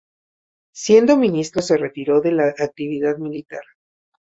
Siendo ministro se retiró de la actividad militar.